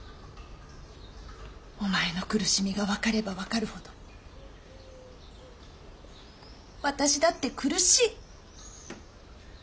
お前の苦しみが分かれば分かるほど私だって苦しい。